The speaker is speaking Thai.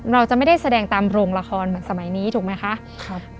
เราจะไม่ได้แสดงตามโรงละครเหมือนสมัยนี้ถูกไหมคะครับ